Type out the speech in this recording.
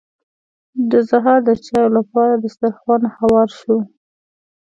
د سهار د چايو لپاره دسترخوان هوار شو.